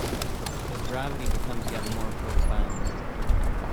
His gravity becomes yet more profound.